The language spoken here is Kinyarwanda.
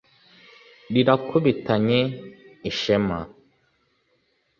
rirakubitanye ishema,